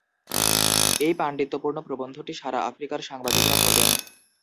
এই পাণ্ডিত্যপূর্ণ প্রবন্ধটি সারা আফ্রিকার সাংবাদিকরা পড়বেন